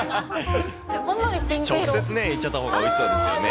直接ね、いっちゃったほうがおいしそうですよね。